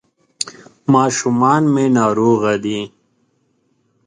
ماشومان مي ناروغه دي ..